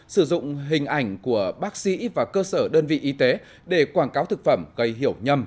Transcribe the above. sử dụng hình ảnh của bác sĩ và cơ sở đơn vị y tế để quảng cáo thực phẩm gây hiểu nhầm